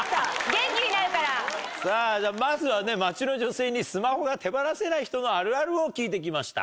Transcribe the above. ・元気になるから・まずはね街の女性にスマホが手放せない人のあるあるを聞いてきました。